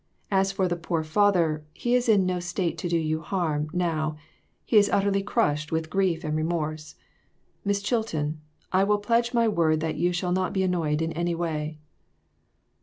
As for the poor father, he is in no state to do you harm, now ; he is utterly crushed with grief and remorse. Miss Chilton, I will pledge my word that you shall not be annoyed in any way."